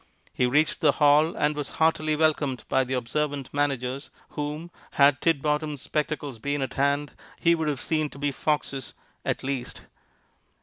He reached the hall, and was heartily welcomed by the observant managers, whom, had Titbottom's spectacles been at hand, he would have seen to be foxes at least.